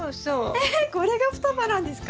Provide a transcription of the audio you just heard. えっこれが双葉なんですか？